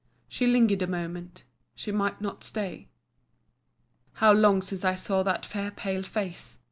She linger'd a moment, she might not stay. How long since I saw that fair pale face!